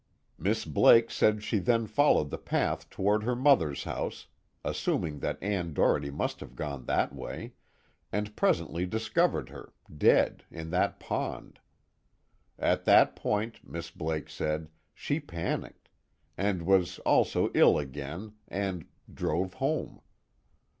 Miss Blake said she then followed the path toward her mother's house, assuming that Ann Doherty must have gone that way, and presently discovered her, dead, in that pond. At that point, Miss Blake said, she panicked, and was also ill again, and drove home.